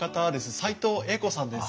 斎藤栄子さんです。